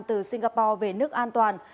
từ singapore về nước an toàn